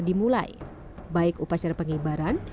dimulai baik upacara pengibaran